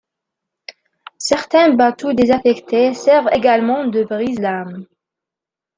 Certains bateaux désaffectés servent également de brise-lames.